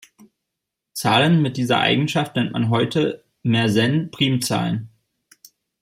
Zahlen mit dieser Eigenschaft nennt man heute Mersenne-Primzahlen.